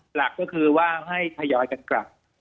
หลักก็คือว่าให้ทยอยกันกลับ